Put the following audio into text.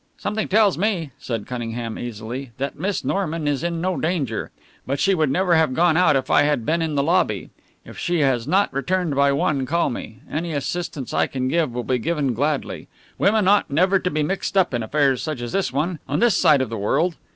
"Something tells me," said Cunningham, easily, "that Miss Norman is in no danger. But she would never have gone out if I had been in the lobby. If she has not returned by one call me. Any assistance I can give will be given gladly. Women ought never to be mixed up in affairs such as this one, on this side of the world.